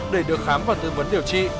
để được khám và tư vấn điều trị